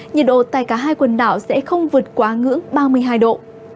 nhiệt độ tại cả hai quần đảo sẽ không vượt quá ngưỡng ba mươi hai độ